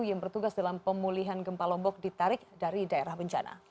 yang bertugas dalam pemulihan gempa lombok ditarik dari daerah bencana